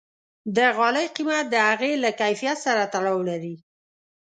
د غالۍ قیمت د هغې له کیفیت سره تړاو لري.